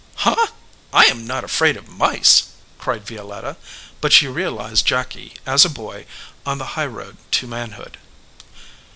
"Huh ! I am not afraid of mice," cried Violetta, but she realized Jacky as a boy on the highroad to manhood.